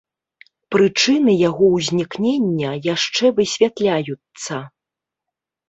Прычыны яго ўзнікнення яшчэ высвятляюцца.